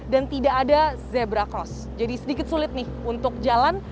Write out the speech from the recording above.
tidak ada zebra cross jadi sedikit sulit nih untuk jalan